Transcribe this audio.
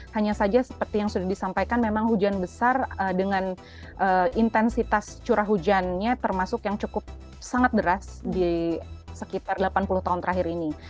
hanya saja seperti yang sudah disampaikan memang hujan besar dengan intensitas curah hujannya termasuk yang cukup sangat deras di sekitar delapan puluh tahun terakhir ini